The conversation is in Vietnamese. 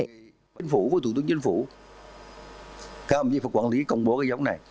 chính phủ và thủ tướng chính phủ các ông chính phủ quản lý công bố cái giống này